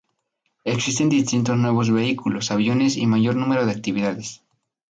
Existen distintos nuevos vehículos, aviones y mayor número de actividades.